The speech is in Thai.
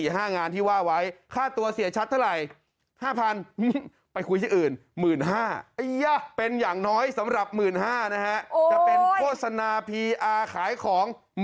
ห้างานที่ว่าไว้ค่าตัวเสียชัดเท่าไหร่ห้าพัน